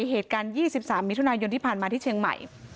เหตุการณ์๒๓มิถุนายนที่ผ่านมาที่เชียงใหม่